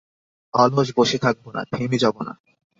অলস বসে থাকবো না, থেমে যাবো না।